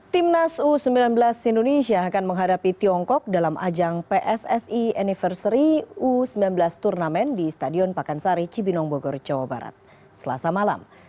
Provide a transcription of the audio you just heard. timnas u sembilan belas indonesia akan menghadapi tiongkok dalam ajang pssi anniversary u sembilan belas turnamen di stadion pakansari cibinong bogor jawa barat selasa malam